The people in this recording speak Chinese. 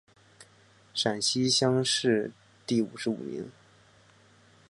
陕西乡试第五十五名。